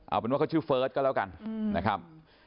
เอาเป็นว่าเขาชื่อเฟิร์สก็แล้วกันนะครับ